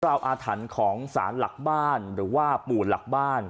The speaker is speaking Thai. อาวอาถรรพ์ของสารหลักบ้านหรือว่าปู่หลักบ้าน